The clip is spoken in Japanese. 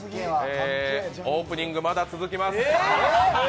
オープニング、まだ続きます。